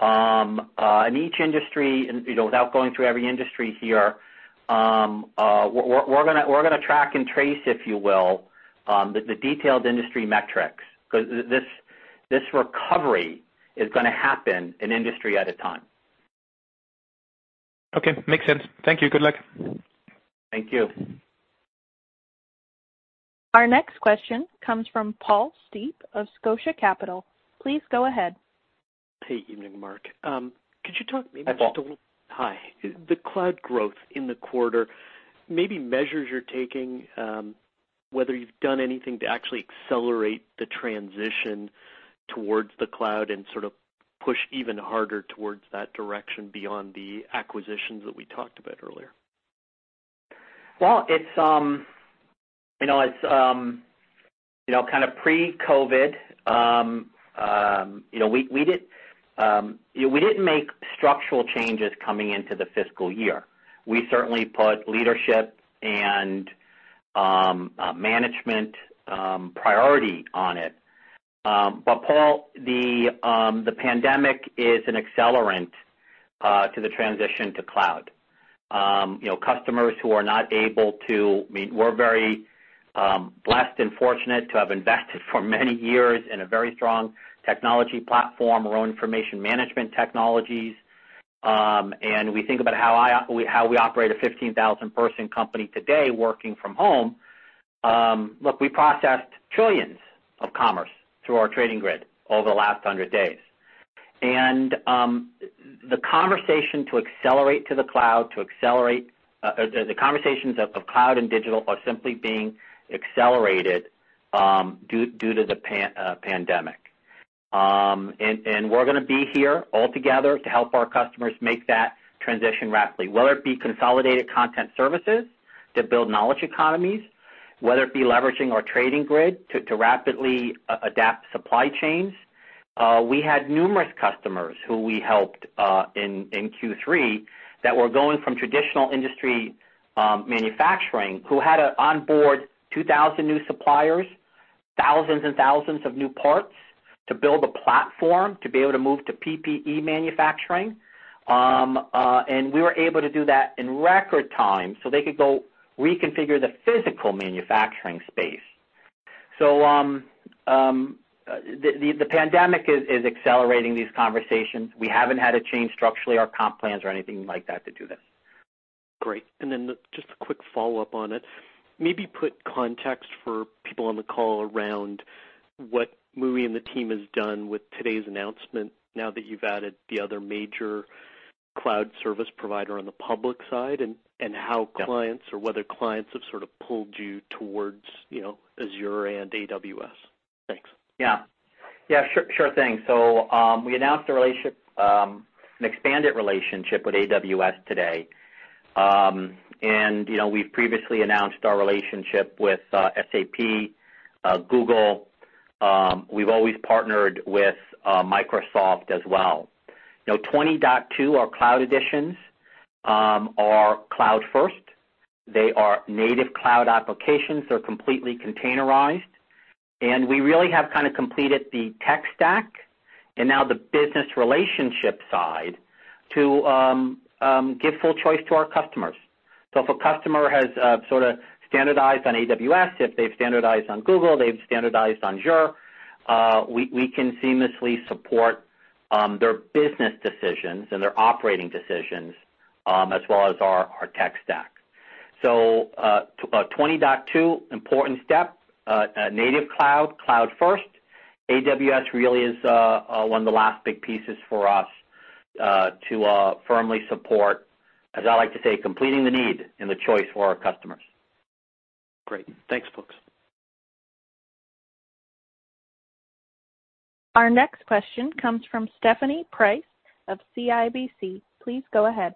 Each industry, without going through every industry here, we're going to track and trace, if you will, the detailed industry metrics, because this recovery is going to happen an industry at a time. Okay. Makes sense. Thank you. Good luck. Thank you. Our next question comes from Paul Steep of Scotia Capital. Please go ahead. Hey, evening, Mark. Could you talk maybe just a little? Hi, Paul. hi. The cloud growth in the quarter, maybe measures you're taking, whether you've done anything to actually accelerate the transition towards the cloud and sort of push even harder towards that direction beyond the acquisitions that we talked about earlier. Well, pre-COVID, we didn't make structural changes coming into the fiscal year. We certainly put leadership and management priority on it. Paul, the pandemic is an accelerant to the transition to cloud. We're very blessed and fortunate to have invested for many years in a very strong technology platform around information management technologies. We think about how we operate a 15,000-person company today working from home. Look, we processed trillions of commerce through our trading grid over the last 100 days. The conversations of cloud and digital are simply being accelerated due to the pandemic. We're going to be here all together to help our customers make that transition rapidly, whether it be consolidated content services to build knowledge economies, whether it be leveraging our trading grid to rapidly adapt supply chains. We had numerous customers who we helped in Q3 that were going from traditional industry manufacturing, who had to onboard 2,000 new suppliers, thousands and thousands of new parts to build a platform to be able to move to PPE manufacturing. We were able to do that in record time so they could go reconfigure the physical manufacturing space. The pandemic is accelerating these conversations. We haven't had to change structurally our comp plans or anything like that to do this. Great. Just a quick follow-up on it. Maybe put context for people on the call around what Muhi and the team has done with today's announcement now that you've added the other major cloud service provider on the public side, and how clients or whether clients have sort of pulled you towards Azure and AWS. Thanks. Yeah. Sure thing. We announced an expanded relationship with AWS today. We've previously announced our relationship with SAP, Google. We've always partnered with Microsoft as well. 20.2, our Cloud Editions, are cloud first. They are native cloud applications, they're completely containerized. We really have kind of completed the tech stack, and now the business relationship side to give full choice to our customers. If a customer has sort of standardized on AWS, if they've standardized on Google, they've standardized on Azure, we can seamlessly support their business decisions and their operating decisions, as well as our tech stack. 20.2, important step. Native cloud first. AWS really is one of the last big pieces for us to firmly support, as I like to say, completing the need and the choice for our customers. Great. Thanks, folks. Our next question comes from Stephanie Price of CIBC. Please go ahead.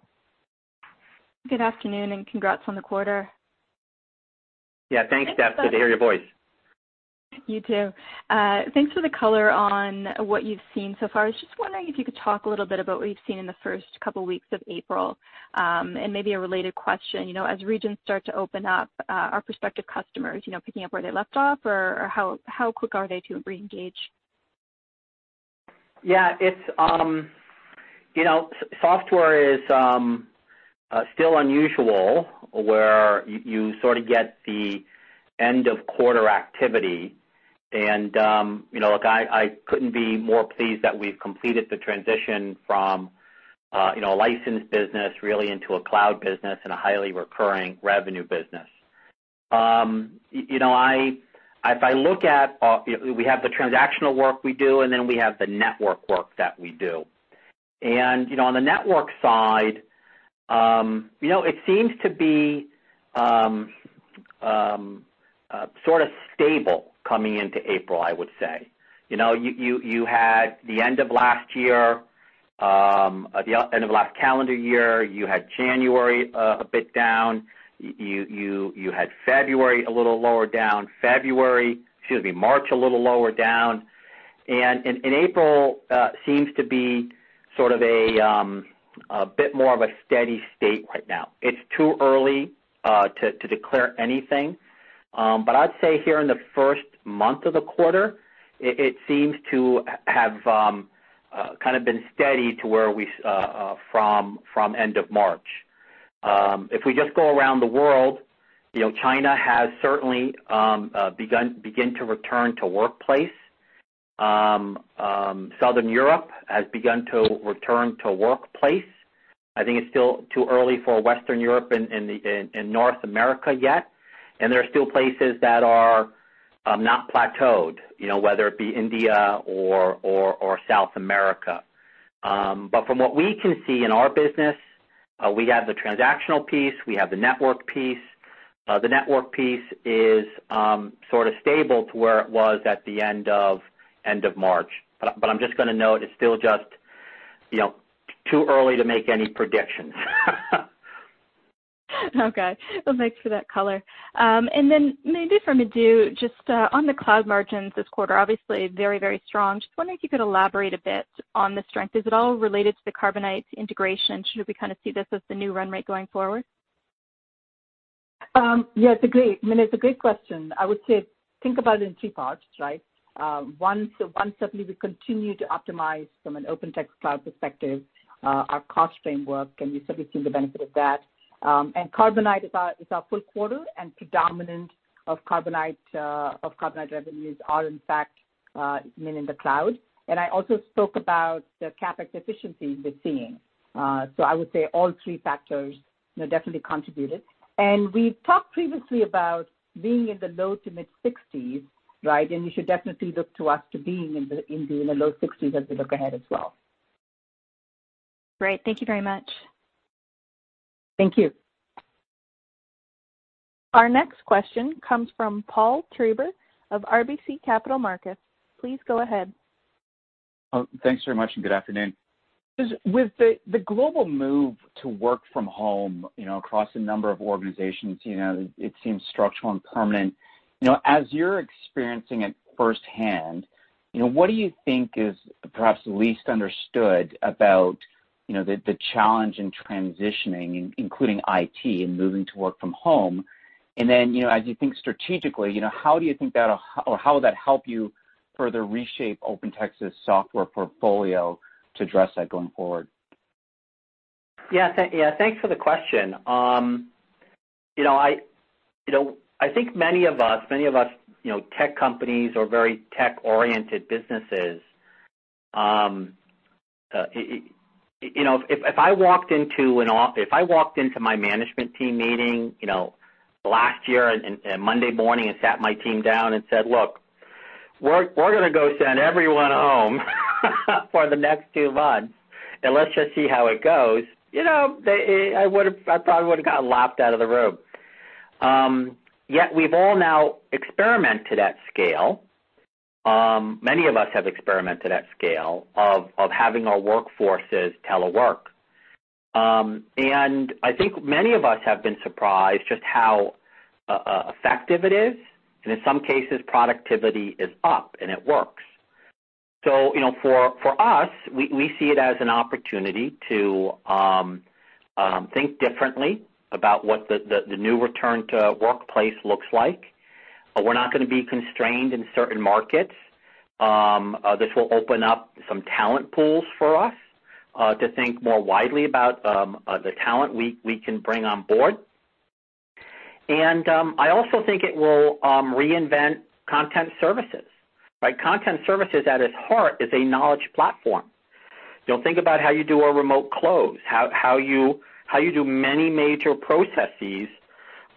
Good afternoon. Congrats on the quarter. Yeah. Thanks, Steph. Good to hear your voice. You too. Thanks for the color on what you've seen so far. I was just wondering if you could talk a little bit about what you've seen in the first couple of weeks of April. Maybe a related question, as regions start to open up, are prospective customers picking up where they left off, or how quick are they to reengage? Yeah. Software is still unusual, where you sort of get the end-of-quarter activity. Look, I couldn't be more pleased that we've completed the transition from a license business really into a cloud business and a highly recurring revenue business. We have the transactional work we do, and then we have the network work that we do. On the network side, it seems to be sort of stable coming into April, I would say. You had the end of last calendar year. You had January a bit down. You had February a little lower down. March, a little lower down. April seems to be sort of a bit more of a steady state right now. It's too early to declare anything. I'd say here in the first month of the quarter, it seems to have kind of been steady from end of March. If we just go around the world, China has certainly begin to return to workplace. Southern Europe has begun to return to workplace. I think it's still too early for Western Europe and North America yet. There are still places that are not plateaued, whether it be India or South America. From what we can see in our business, we have the transactional piece, we have the network piece. The network piece is sort of stable to where it was at the end of March. I'm just going to note, it's still just too early to make any predictions. Okay. Well, thanks for that color. Then maybe for Madhu, just on the cloud margins this quarter, obviously very, very strong. Just wondering if you could elaborate a bit on the strength. Is it all related to the Carbonite integration? Should we kind of see this as the new run rate going forward? Yeah, it's a great question. I would say, think about it in two parts, right? One, certainly we continue to optimize from an OpenText cloud perspective, our cost framework, and we certainly seen the benefit of that. Carbonite is our full quarter, and predominant of Carbonite revenues are in fact in the cloud. I also spoke about the CapEx efficiency we're seeing. I would say all three factors definitely contributed. We've talked previously about being in the low to mid-60s, right? You should definitely look to us to be in the low 60s as we look ahead as well. Great. Thank you very much. Thank you. Our next question comes from Paul Treiber of RBC Capital Markets. Please go ahead. Thanks very much, good afternoon. With the global move to work from home across a number of organizations, it seems structural and permanent. As you're experiencing it firsthand, what do you think is perhaps least understood about the challenge in transitioning, including IT, and moving to work from home? As you think strategically, how will that help you further reshape OpenText's software portfolio to address that going forward? Yeah. Thanks for the question. I think many of us tech companies or very tech-oriented businesses. If I walked into my management team meeting last year on Monday morning and sat my team down and said, "Look, we're going to go send everyone home for the next two months, and let's just see how it goes," I probably would've got laughed out of the room. Yet, we've all now experimented at scale. Many of us have experimented at scale of having our workforces telework. I think many of us have been surprised just how effective it is, and in some cases, productivity is up, and it works. For us, we see it as an opportunity to think differently about what the new return to workplace looks like. We're not going to be constrained in certain markets. This will open up some talent pools for us to think more widely about the talent we can bring on board. I also think it will reinvent content services, right? Content services at its heart is a knowledge platform. Think about how you do a remote close, how you do many major processes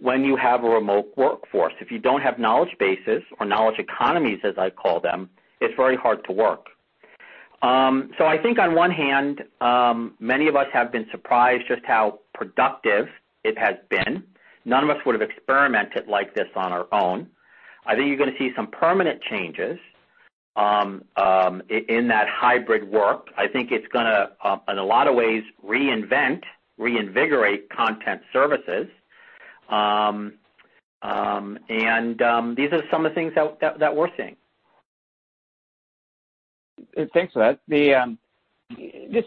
when you have a remote workforce. If you don't have knowledge bases or knowledge economies, as I call them, it's very hard to work. I think on one hand, many of us have been surprised just how productive it has been. None of us would've experimented like this on our own. I think you're going to see some permanent changes in that hybrid work. I think it's going to, in a lot of ways, reinvent, reinvigorate content services. These are some of the things that we're seeing. Thanks for that.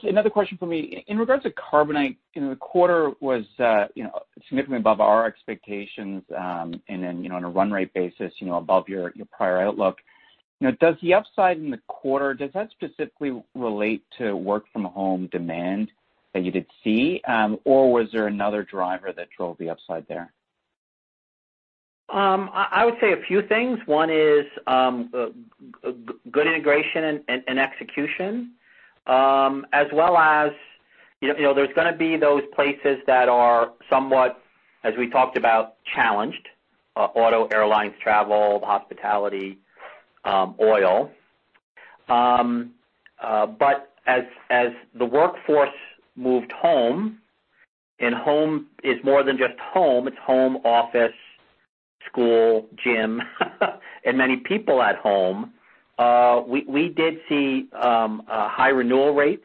Another question from me. In regards to Carbonite, the quarter was significantly above our expectations, and then on a run rate basis above your prior outlook. Does the upside in the quarter specifically relate to work-from-home demand that you did see? Or was there another driver that drove the upside there? I would say a few things. One is good integration and execution. There's going to be those places that are somewhat, as we talked about, challenged. Auto, airlines, travel, hospitality, oil. As the workforce moved home, and home is more than just home. It's home, office, school, gym, and many people at home. We did see high renewal rates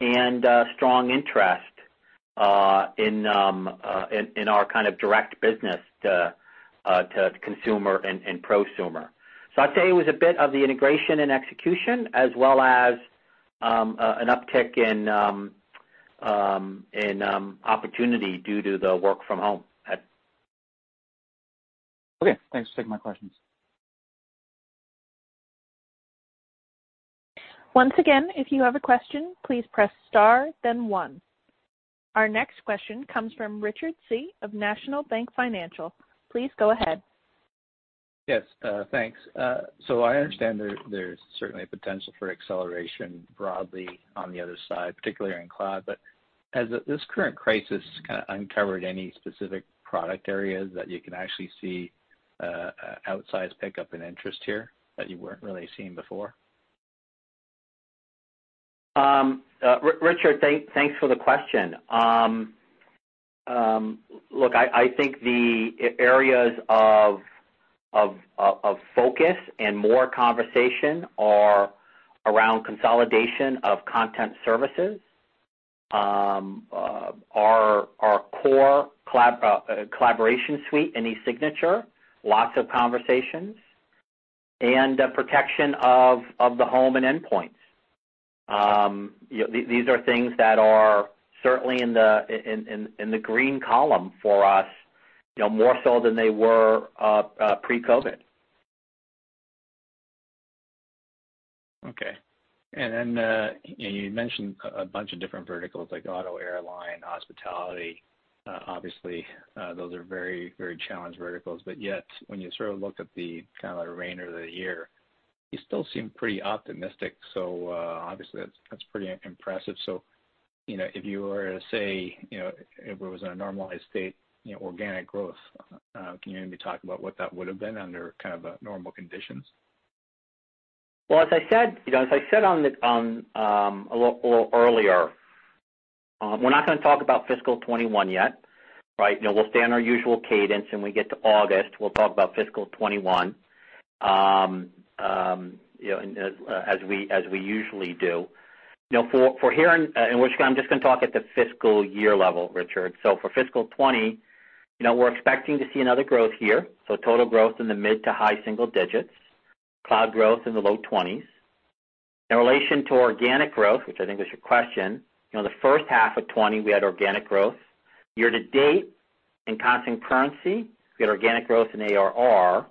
and strong interest in our kind of direct business to consumer and prosumer. I'd say it was a bit of the integration and execution as well as an uptick in opportunity due to the work from home. Okay. Thanks for taking my questions. Once again, if you have a question, please press star then one. Our next question comes from Richard Tse of National Bank Financial. Please go ahead. Yes, thanks. I understand there's certainly a potential for acceleration broadly on the other side, particularly in cloud. Has this current crisis kind of uncovered any specific product areas that you can actually see outsized pickup in interest here that you weren't really seeing before? Richard, thanks for the question. Look, I think the areas of focus and more conversation are around consolidation of content services. Our core collaboration suite and e-signature, lots of conversations. Protection of the home and endpoints. These are things that are certainly in the green column for us, more so than they were pre-COVID. You mentioned a bunch of different verticals like auto, airline, hospitality. Obviously, those are very challenged verticals, but yet when you look at the kind of reign of the year, you still seem pretty optimistic. Obviously that's pretty impressive. If you were to say, if it was in a normalized state, organic growth, can you maybe talk about what that would've been under kind of a normal conditions? Well, as I said a little earlier, we're not going to talk about fiscal 2021 yet, right? We'll stay on our usual cadence. We get to August, we'll talk about fiscal 2021, as we usually do. I'm just going to talk at the fiscal year level, Richard. For fiscal 2020, we're expecting to see another growth year, total growth in the mid to high single digits, cloud growth in the low 20s. In relation to organic growth, which I think is your question, the first half of 2020, we had organic growth. Year to date, in constant currency, we had organic growth in ARR.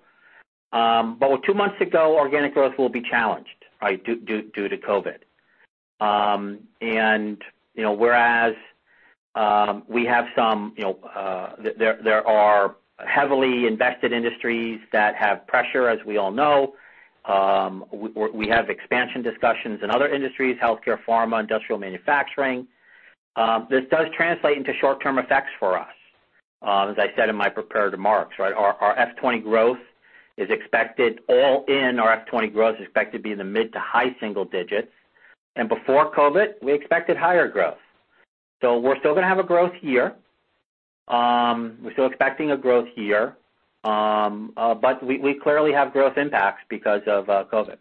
With 2 months to go, organic growth will be challenged, right? Due to COVID. Whereas there are heavily invested industries that have pressure, as we all know. We have expansion discussions in other industries, healthcare, pharma, industrial manufacturing. This does translate into short-term effects for us. As I said in my prepared remarks, right? All in, our FY 2020 growth is expected to be in the mid to high single digits. Before COVID, we expected higher growth. We're still going to have a growth year. We're still expecting a growth year. We clearly have growth impacts because of COVID.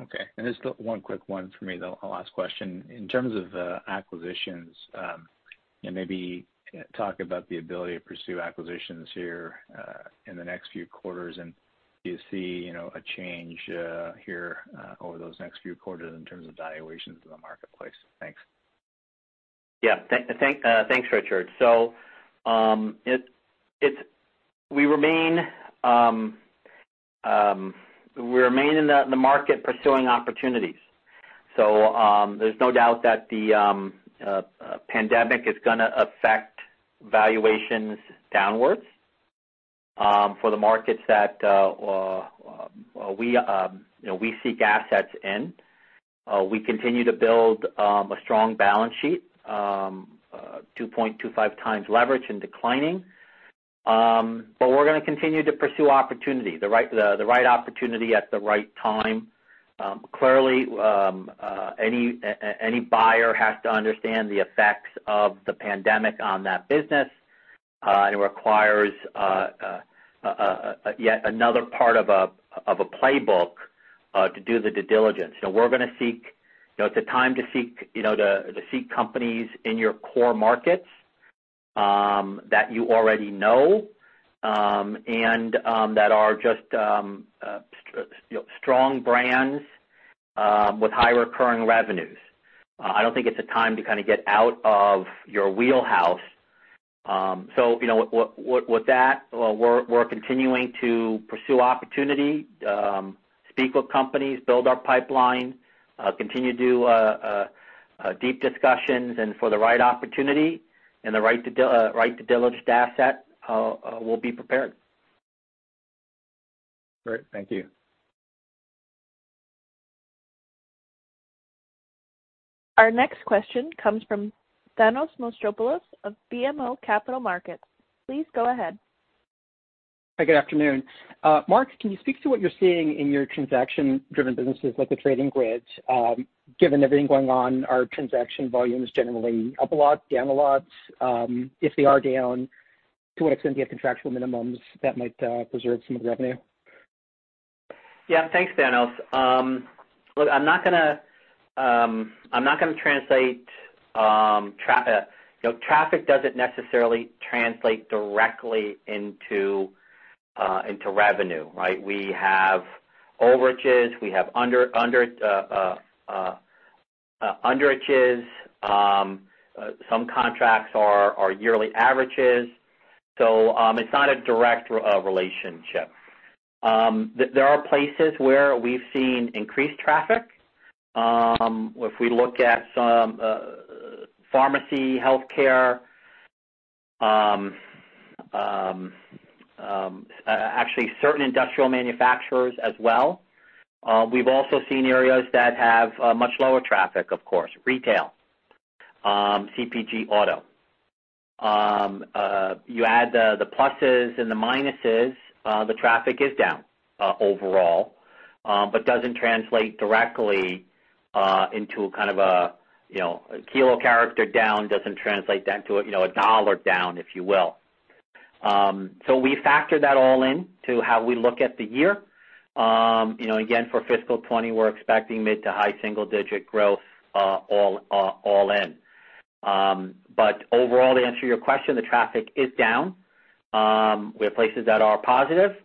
Okay. Just one quick one from me, though, a last question. In terms of acquisitions, maybe talk about the ability to pursue acquisitions here in the next few quarters, and do you see a change here over those next few quarters in terms of valuations in the marketplace? Thanks. Thanks, Richard. We remain in the market pursuing opportunities. There's no doubt that the pandemic is going to affect valuations downwards for the markets that we seek assets in. We continue to build a strong balance sheet, 2.25 times leverage and declining. We're going to continue to pursue opportunity, the right opportunity at the right time. Clearly, any buyer has to understand the effects of the pandemic on that business, and it requires yet another part of a playbook to do the due diligence. It's a time to seek companies in your core markets that you already know, and that are just strong brands with high recurring revenues. I don't think it's a time to kind of get out of your wheelhouse. With that, we're continuing to pursue opportunity, speak with companies, build our pipeline, continue to do deep discussions, and for the right opportunity, and the right due diligence asset, we'll be prepared. Great. Thank you. Our next question comes from Thanos Moschopoulos of BMO Capital Markets. Please go ahead. Hi, good afternoon. Mark, can you speak to what you're seeing in your transaction-driven businesses like the trading grids? Given everything going on, are transaction volumes generally up a lot, down a lot? If they are down, to what extent do you have contractual minimums that might preserve some of the revenue? Yeah. Thanks, Thanos. Look, traffic doesn't necessarily translate directly into revenue, right? We have overages, we have underages. Some contracts are yearly averages. It's not a direct relationship. There are places where we've seen increased traffic. If we look at some pharmacy healthcare, actually certain industrial manufacturers as well. We've also seen areas that have much lower traffic, of course, retail, CPG, auto. You add the pluses and the minuses, the traffic is down overall, but doesn't translate directly into kind of a kilo-character down, doesn't translate that to a dollar down, if you will. We factor that all in to how we look at the year. Again, for fiscal 2020, we're expecting mid to high single-digit growth all in. Overall, to answer your question, the traffic is down. We have places that are positive,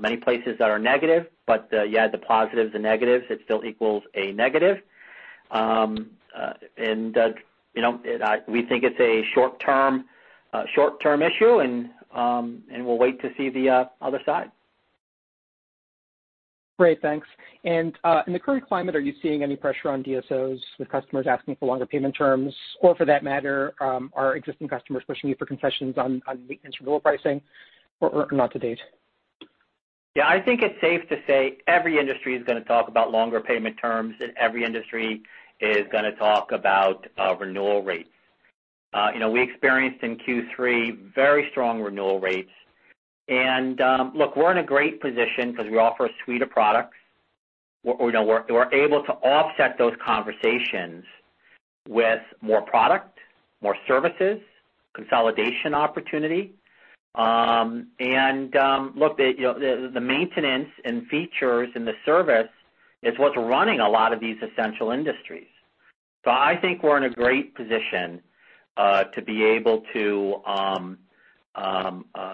many places that are negative. Yeah, the positives, the negatives, it still equals a negative. We think it's a short-term issue, and we'll wait to see the other side. Great, thanks. In the current climate, are you seeing any pressure on DSOs with customers asking for longer payment terms? For that matter, are existing customers pushing you for concessions on maintenance renewal pricing, or not to date? Yeah, I think it's safe to say every industry is going to talk about longer payment terms, every industry is going to talk about renewal rates. We experienced in Q3 very strong renewal rates. Look, we're in a great position because we offer a suite of products. We're able to offset those conversations with more product, more services, consolidation opportunity. Look, the maintenance and features in the service is what's running a lot of these essential industries. I think we're in a great position to be able to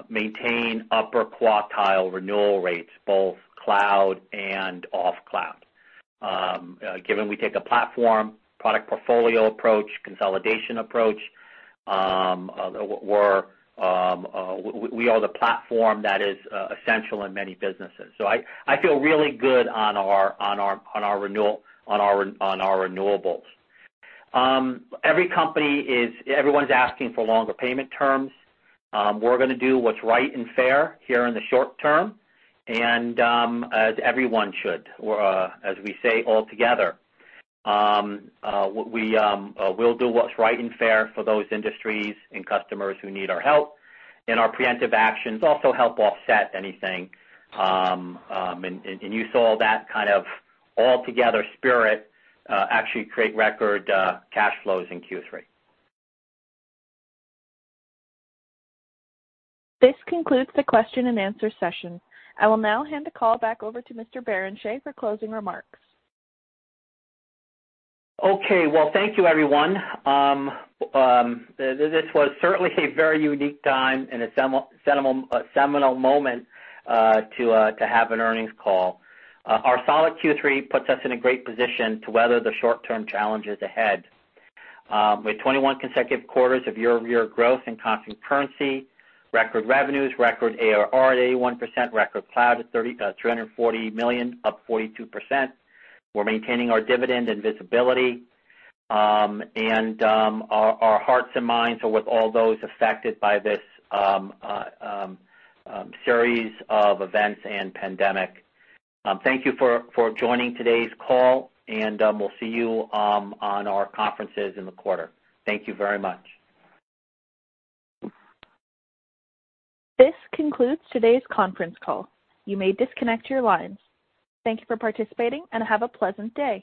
maintain upper quartile renewal rates, both cloud and off cloud. Given we take a platform, product portfolio approach, consolidation approach, we are the platform that is essential in many businesses. I feel really good on our renewables. Everyone's asking for longer payment terms. We're going to do what's right and fair here in the short term, and as everyone should, or as we say, altogether. We'll do what's right and fair for those industries and customers who need our help, and our preemptive actions also help offset anything. You saw that kind of altogether spirit actually create record cash flows in Q3. This concludes the question and answer session. I will now hand the call back over to Mr. Barrenechea for closing remarks. Okay. Well, thank you everyone. This was certainly a very unique time and a seminal moment to have an earnings call. Our solid Q3 puts us in a great position to weather the short-term challenges ahead. With 21 consecutive quarters of year-over-year growth in constant currency, record revenues, record ARR at 81%, record cloud at $340 million, up 42%. We're maintaining our dividend and visibility. Our hearts and minds are with all those affected by this series of events and pandemic. Thank you for joining today's call, and we'll see you on our conferences in the quarter. Thank you very much. This concludes today's conference call. You may disconnect your lines. Thank you for participating, and have a pleasant day.